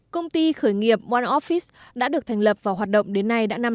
công ty khởi nghiệp one office đã được thành lập và hoạt động đến nay đã năm năm